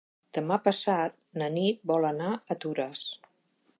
Demà passat na Nit vol anar a Toràs.